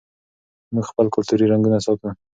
موږ خپل کلتوري رنګونه ساتو.